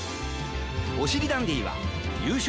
おしりダンディはゆうしょう